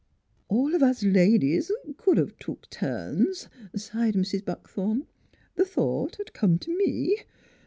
" All of us ladies c'd 'a' took turns," sighed Mrs. Buckthorn. " The thought 'd come t' me.